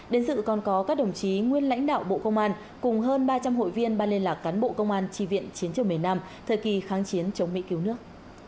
đến dự còn có các đồng chí nguyên lãnh đạo bộ công an cùng hơn ba trăm linh hội viên ban liên lạc cán bộ công an tri viện chiến trường miền nam thời kỳ kháng chiến chống mỹ cứu nước